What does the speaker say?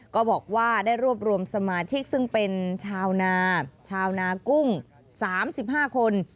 ก็บอกว่าได้รวบรวมสมาชิกซึ่งเป็นชาวนาชาวนากุ้ง๓๕คน